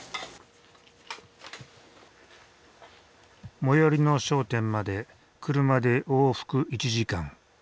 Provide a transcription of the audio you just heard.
最寄りの商店まで車で往復１時間。